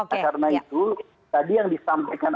karena itu tadi yang disampaikan